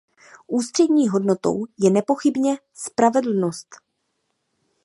Ústřední hodnotou je nepochybně spravedlnost.